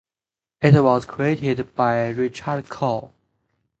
It was created by Richard Cole.